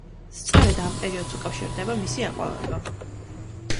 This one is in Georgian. სწორედ ამ პერიოდს უკავშირდება მისი აყვავება.